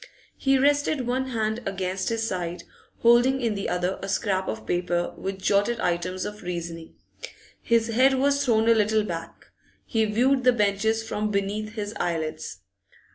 He rested one hand against his side, holding in the other a scrap of paper with jotted items of reasoning. His head was thrown a little back; he viewed the benches from beneath his eyelids.